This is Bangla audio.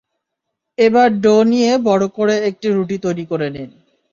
এবার ডো নিয়ে বড় করে একটি রুটি তৈরি করে নিন।